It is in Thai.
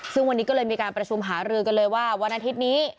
ซึ่งวันนี้ก็เลยมีการประชุมหารือกันเลยว่าวันอาทิตย์นี้